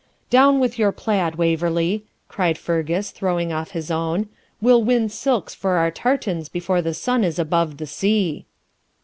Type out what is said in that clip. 'Down with your plaid, Waverley,' cried Fergus, throwing off his own; 'we'll win silks for our tartans before the sun is above the sea.'